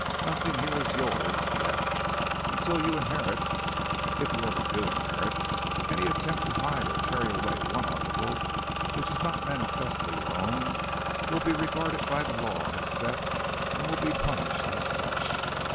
Nothing here is yours yet; and till you inherit, if ever you do inherit, any attempt to hide or carry away one article which is not manifestly your own, will be regarded by the law as a theft and will be punished as such.